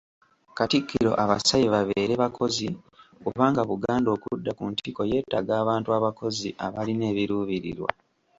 Katikkiro abasabye babeere bakozi kubanga Buganda okudda ku ntikko yeetaaga abantu abakozi abalina ebiruubirirwa.